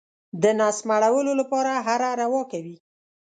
د نس مړولو لپاره هره روا کوي.